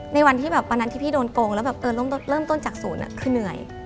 ในวันที่พี่โดนโกงแล้วเริ่มต้นจากศูนย์คือเหนื่อย